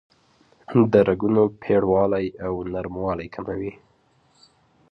د رګونو پیړوالی او نرموالی کموي.